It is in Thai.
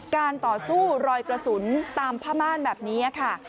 การต่อสู้รอยกระสุนตามผ้าม่านแบบนี้ค่ะ